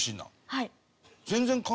はい。